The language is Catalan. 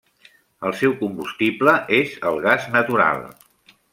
El seu combustible és el gas natural.